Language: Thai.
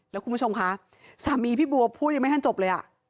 แล้วคุณผู้ชมคะสามีพี่บัวพูดยังไม่ทันจบเลยอ่ะ